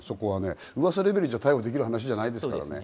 うわさレベルじゃ逮捕できる話じゃないですからね。